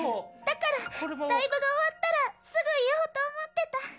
だからライブが終わったらすぐ言おうと思ってた。